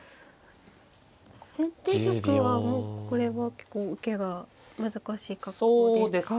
先手玉はもうこれはこう受けが難しい格好ですか。